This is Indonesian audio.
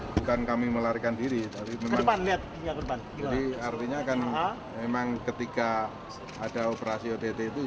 bukan kami melarikan diri tapi memang ketika ada operasi ott itu